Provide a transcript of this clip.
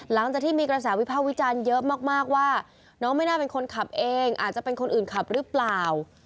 หลังจากที่มีกระแสวิภาควิจารณ์เยอะมากว่าน้องไม่น่าเป็นคนขับเองอาจจะเป็นคนอื่นขับหรือเปล่า